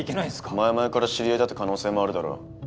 前々から知り合いだって可能性もあるだろ？